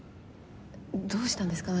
どうしたんですか？